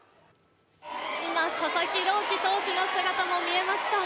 今、佐々木朗希投手の姿も見えました。